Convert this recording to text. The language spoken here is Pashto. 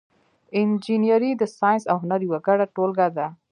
انجنیری د ساینس او هنر یوه ګډه ټولګه ده.